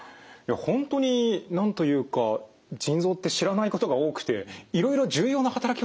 本当に何というか腎臓って知らないことが多くていろいろ重要な働きをしてるんですね。